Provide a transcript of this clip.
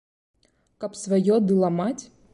Каб сваё ды ламаць?